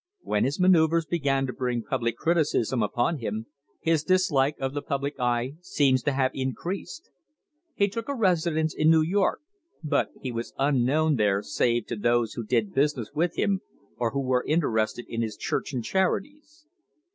When his manoeuvres began to bring public criticism upon him, his dislike of the public eye seems to have in creased. He took a residence in New York, but he was unknown there save to those who did business with him or were interested in his church and charities.